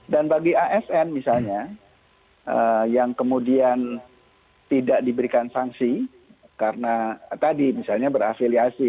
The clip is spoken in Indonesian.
dan bagi asn misalnya yang kemudian tidak diberikan sanksi karena tadi misalnya berafiliasi